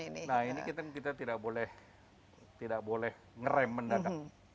nah ini kita tidak boleh ngerem mendadak